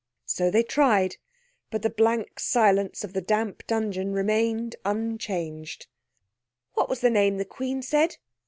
So they tried. But the blank silence of the damp dungeon remained unchanged. "What was the name the Queen said?"